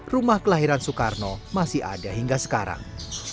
rumah kelahiran soekarno masih ada hingga sekarang